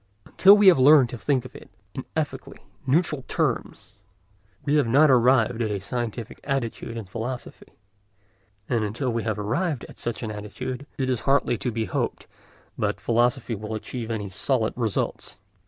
Until we have learnt to think of it in ethically neutral terms, we have not arrived at a scientific attitude in philosophy; and until we have arrived at such an attitude, it is hardly to be hoped that philosophy will achieve any solid results.